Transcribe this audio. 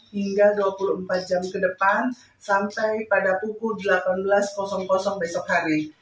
hingga dua puluh empat jam ke depan sampai pada pukul delapan belas besok hari